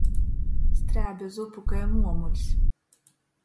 Strēbe zupu kai muomuļs.